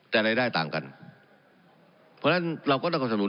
แต่รายได้ต่างกันเพราะฉะนั้นเราก็ต้องคำสนุน